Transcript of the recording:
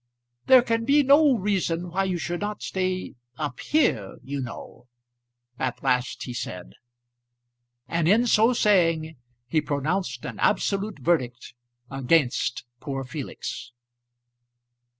"There can be no reason why you should not stay up here, you know," at last he said; and in so saying he pronounced an absolute verdict against poor Felix.